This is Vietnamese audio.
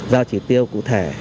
dao chỉ tiêu cụ thể